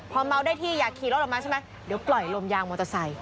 พอเมาได้ที่อยากขี่รถออกมาใช่ไหมเดี๋ยวปล่อยลมยางมอเตอร์ไซค